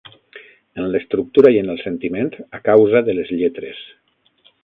En l'estructura i en el sentiment a causa de les lletres.